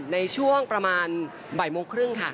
ในช่วงประมาณบ่ายโมงครึ่งค่ะ